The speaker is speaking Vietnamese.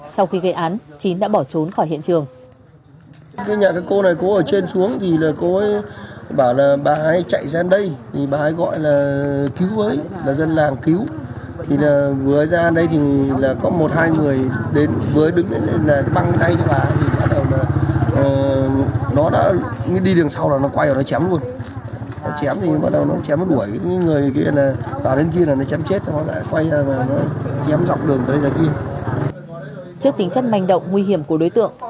sau khi gây án chín đã bỏ trốn khỏi hiện trường